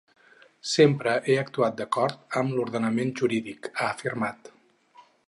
Sempre he actuat d’acord amb l’ordenament jurídic, ha afirmat.